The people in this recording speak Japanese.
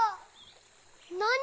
なに？